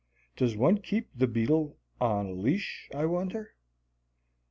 (Does one keep the beetle on a leash, I wonder?)